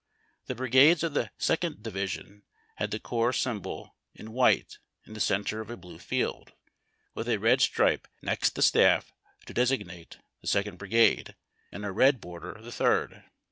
Tlie brigades of the second division had the corps symbol in white in the centre of a blue field, with a red stripe next the staff to designate the second brigade, and a red border the third.